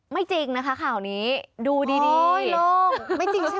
ไม่จริงนะคะข่าวนี้ดูดี